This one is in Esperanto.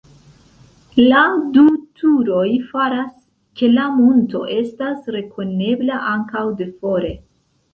La du turoj faras, ke la monto estas rekonebla ankaŭ de fore.